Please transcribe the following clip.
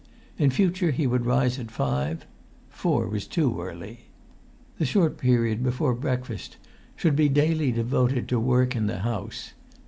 In future he would rise at five; four was too early. The short period before breakfast should be daily devoted to work in the house.